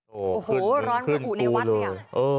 โอ้โหร้อนระอุในวัดเนี่ย